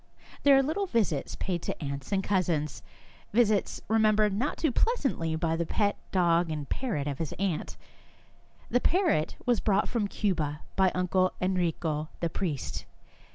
There are little visits paid to aunts and cousins, visits remembered not too pleas antly by the pet dog and parrot of his aunt 14 Our Little Spanish Cousin The parrot was brought from Cuba by Uncle Enrico, the priest.